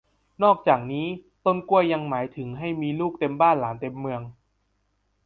นอกจากนี้ ต้นกล้วยยังหมายถึงให้มีลูกเต็มบ้านหลานเต็มเมือง